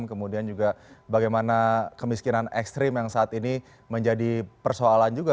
kemudian juga bagaimana kemiskinan ekstrim yang saat ini menjadi persoalan juga